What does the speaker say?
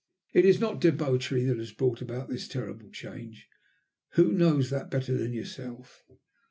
"It is not debauchery that has brought about this terrible change. Who knows that better than yourself?